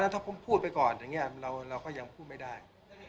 ถ้าผมพูดไปก่อนเราก็ยังพูดไม่ได้